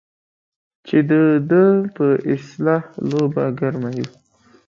چې د ده په اصطلاح لوبه ګرمه وي.